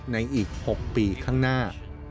ในอีก๖ปีข้างหน้า